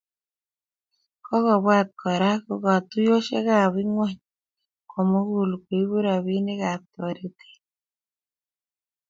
Kingobwat Kora ko katuiyosiekab ngwony komugul koibu robinikab toretet